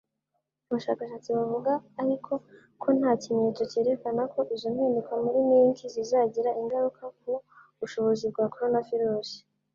Abashakashatsi bavuga ariko ko nta kimenyetso cyerekana ko izo mpinduka muri mink zizagira ingaruka ku bushobozi bwa koronavirusi